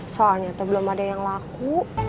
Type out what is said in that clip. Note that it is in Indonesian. soalnya tuh belum ada yang laku